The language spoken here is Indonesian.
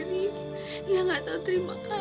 liat gak tau terima kasih